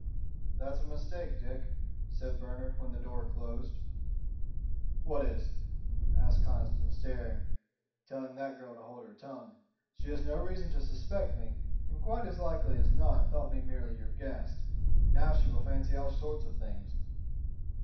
"That's a mistake, Dick," said Bernard, when the door closed. "What is?" asked Conniston, staring. "Telling that girl to hold her tongue. She has no reason to suspect me, and quite as likely as not thought me merely your guest. Now she will fancy all sorts of things."